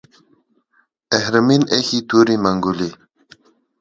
اهریمن ایښې تورې منګولې